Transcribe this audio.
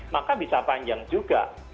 maka bisa panjang juga